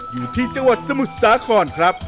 อยู่ที่เจ้าวะสมุสาครครับ